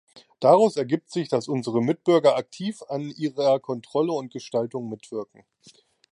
Daraus ergibt sich, dass unsere Mitbürger aktiv an ihrer Kontrolle und Gestaltung mitwirken.